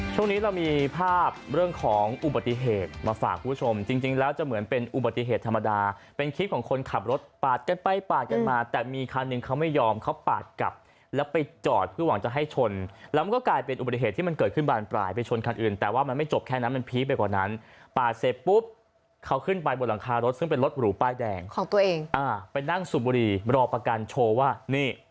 ช่วงนี้เรามีภาพเรื่องของอุบัติเหตุมาฝากผู้ชมจริงจริงแล้วจะเหมือนเป็นอุบัติเหตุธรรมดาเป็นคลิปของคนขับรถปาดกันไปปาดกันมาแต่มีคันหนึ่งเขาไม่ยอมเขาปาดกลับแล้วไปจอดเพื่อหวังจะให้ชนแล้วมันก็กลายเป็นอุบัติเหตุที่มันเกิดขึ้นบานปลายไปชนคันอื่นแต่ว่ามันไม่จบแค่นั้นมันพีดไปกว่าน